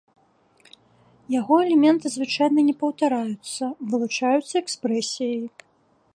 Яго элементы звычайна не паўтараюцца, вылучаюцца экспрэсіяй.